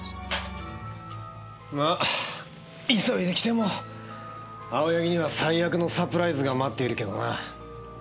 まあ急いで来ても青柳には最悪のサプライズが待っているけどな。